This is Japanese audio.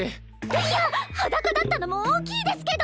いや裸だったのも大きいですけど！